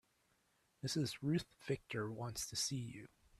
Mrs. Ruth Victor wants to see you.